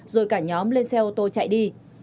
rồi cả nhóm lên xe ô tô chạy đi